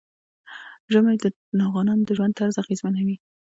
ژمی د افغانانو د ژوند طرز اغېزمنوي.